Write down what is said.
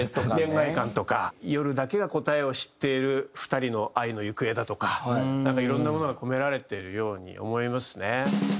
恋愛観とか夜だけが答えを知っている２人の愛の行方だとかなんかいろんなものが込められてるように思いますね。